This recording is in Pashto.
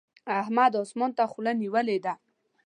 احمد اسمان ته خوله نيولې ده.